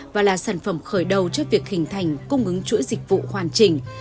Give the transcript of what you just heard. và là sản phẩm khởi đầu cho việc hình thành cung ứng chuỗi dịch vụ hoàn chỉnh